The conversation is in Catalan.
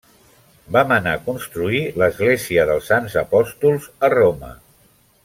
Va manar construir l'església dels Sants Apòstols a Roma.